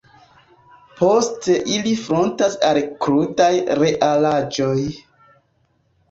Poste ili frontas al krudaj realaĵoj.